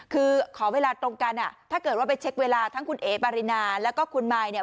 คือขอเวลาตรงกันอ่ะถ้าเกิดว่าไปเช็คเวลาทั้งคุณเอ๋ปารินาแล้วก็คุณมายเนี่ย